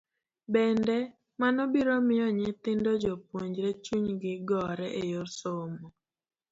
Bende, mano biro miyo nyithindo jopuonjre chunygi gore e yor somo.